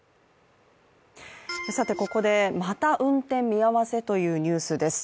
ここで、また運転見合わせというニュースです。